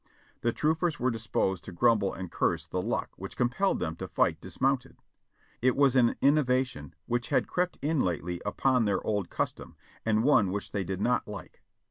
The troopers were disposed to grumble and curse the luck which compelled them to fight dis m.ounted. It was an innovation which had crept in lately upon their old custom, and one which they did not like.